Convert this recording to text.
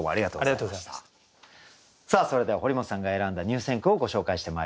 さあそれでは堀本さんが選んだ入選句をご紹介してまいりましょう。